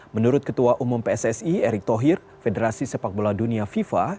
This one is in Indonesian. menurut ketua umum pssi erick thohir federasi sepak bola dunia fifa